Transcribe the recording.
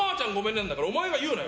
なんだから、お前いうなよ。